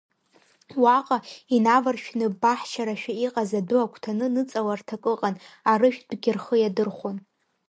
Уаҟа, инаваршәны баҳчарашәа иҟаз адәы агәҭаны ныҵаларҭак ыҟан, арыжәтәгьы рхы иадырхәон.